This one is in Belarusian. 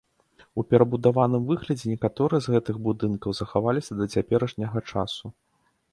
У перабудаваным выглядзе некаторыя з гэтых будынкаў захаваліся да цяперашняга часу.